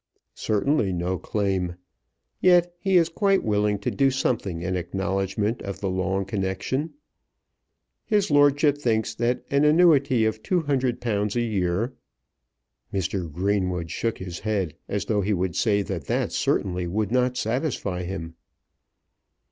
"Certainly no claim. Yet he is quite willing to do something in acknowledgment of the long connection. His lordship thinks that an annuity of £200 a year ." Mr. Greenwood shook his head, as though he would say that that certainly would not satisfy him.